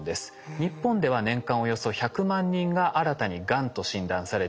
日本では年間およそ１００万人が新たにがんと診断されています。